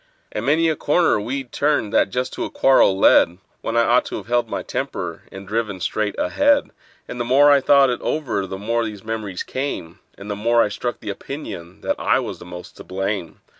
And many a corner we'd turned that just to a quarrel led, When I ought to 've held my temper, and driven straight ahead; And the more I thought it over the more these memories came, And the more I struck the opinion that I was the most to blame.